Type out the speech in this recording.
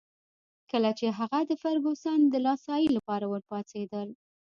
کله چي هغه د فرګوسن د دلاسايي لپاره ورپاڅېدل.